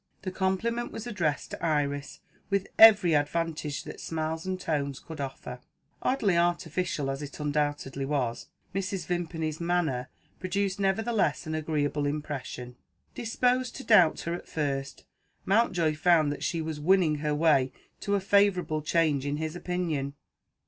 The compliment was addressed to Iris with every advantage that smiles and tones could offer. Oddly artificial as it undoubtedly was, Mrs. Vimpany's manner produced nevertheless an agreeable impression. Disposed to doubt her at first, Mountjoy found that she was winning her way to a favourable change in his opinion.